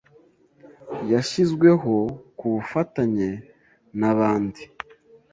yashyizweho ku bufatanye nabandi